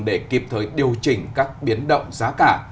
để kịp thời điều chỉnh các biến động giá cả